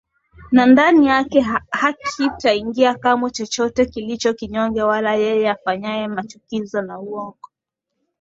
Na ndani yake hakitaingia kamwe chochote kilicho kinyonge wala yeye afanyaye machukizo na uongo